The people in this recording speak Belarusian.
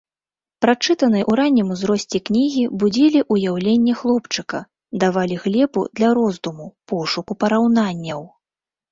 Прачытаныя ў раннім узросце кнігі будзілі ўяўленне хлопчыка, давалі глебу для роздуму, пошуку параўнанняў.